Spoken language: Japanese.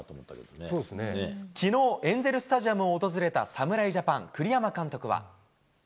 きのう、エンゼルスタジアムを訪れた侍ジャパン、栗山監督は。